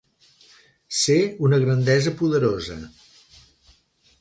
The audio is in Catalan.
Ser una grandesa poderosa